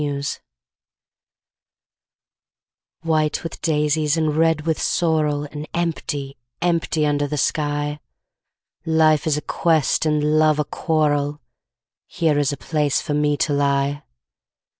WEEDS White with daisies and red with sorrel And empty, empty under the sky! Life is a quest and love a quarrel Here is a place for me to lie.